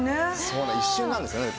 そう一瞬なんですね。